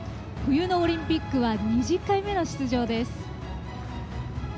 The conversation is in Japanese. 冬のオリンピックは２０回目の出場です。